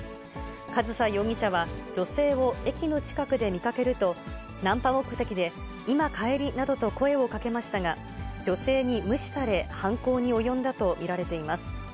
上総容疑者は、女性を駅の近くで見かけると、ナンパ目的で、今帰り？などと声をかけましたが、女性に無視され、犯行に及んだと見られています。